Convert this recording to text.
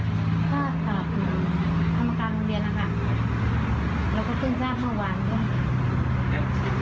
ก็ฝากถึงกรรมการโรงเรียนนะคะแล้วก็เพิ่งทราบเมื่อวานด้วย